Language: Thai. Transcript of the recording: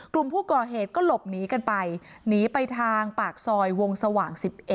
กลุ่มผู้ก่อเหตุก็หลบหนีกันไปหนีไปทางปากซอยวงสว่าง๑๑